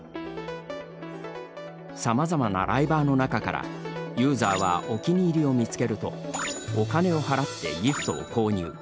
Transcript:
さまざまなライバーの中からユーザーはお気に入りを見つけるとお金を払ってギフトを購入。